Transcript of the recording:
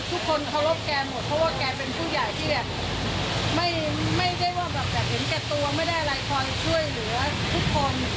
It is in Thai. ทุกคนเคารพแกหมดเพราะว่าแกเป็นผู้ใหญ่ที่แบบไม่ได้ว่าแบบเห็นแก่ตัวไม่ได้อะไรคอยช่วยเหลือทุกคน